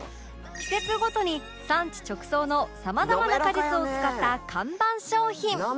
季節ごとに産地直送のさまざまな果実を使った看板商品